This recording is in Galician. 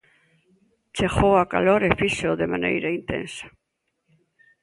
Chegou a calor e fíxoo de maneira intensa.